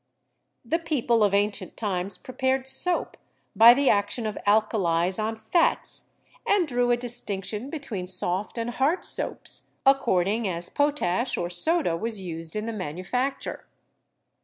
The people of ancient times prepared soap by the action ANCIENT CHEMICAL KNOWLEDGE 21 of alkalis on fats, and drew a distinction between soft and hard soaps, according as potash or soda was used in the manufacture.